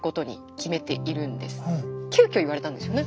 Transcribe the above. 急きょ言われたんですよね？